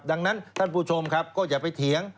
ดังนั้นท่านผู้ชมครับก็อย่าไปเถียง